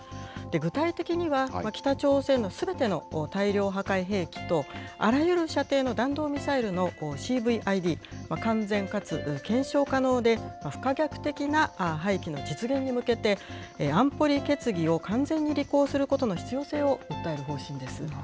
具体的には、北朝鮮のすべての大量破壊兵器と、あらゆる射程の弾道ミサイルのＣＶＩＤ、完全かつ検証可能で不可逆的な廃棄の実現に向けて、安保理決議を完全に履行することの必要性を訴える方針です。